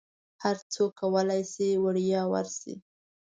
هرڅوک کولی شي وړیا ورشي.